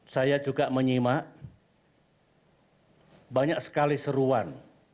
saya juga menyimak banyak sekali seruan